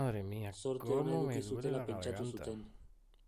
Zorte ona eduki zutela pentsatu zuten.